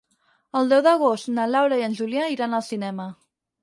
El deu d'agost na Laura i en Julià iran al cinema.